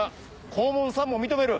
黄門さんも認める？